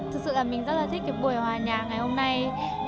thực sự là mình rất là thích cái buổi hòa nhạc ngày hôm nay